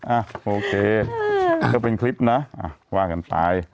อ่ะโอเคก็เป็นคลิปนะว่ากันไป